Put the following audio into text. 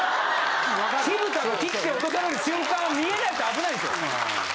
火蓋が切って落とされる瞬間見えないと危ないんですよ。